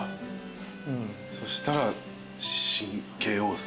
そしたら。